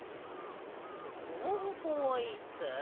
このはこがいいって？